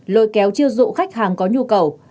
lôi kéo chiêu dụ khách hàng có nhu cầu